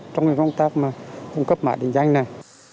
trong những công tác mà cung cấp mãi định danh này